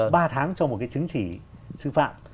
ba tháng cho một cái chứng chỉ sư phạm